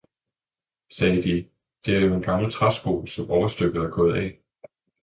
sagde de, det er jo en gammel træsko, som overstykket er gået af!